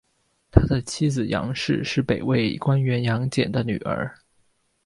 他的妻子杨氏是北魏官员杨俭的女儿。